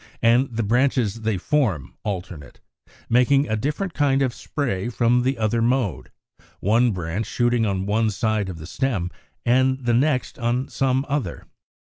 73); and the branches they form alternate, making a different kind of spray from the other mode, one branch shooting on one side of the stem and the next on some other.